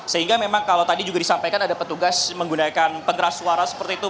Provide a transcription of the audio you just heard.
sehingga memang kalau tadi juga disampaikan ada petugas menggunakan pengeras suara seperti itu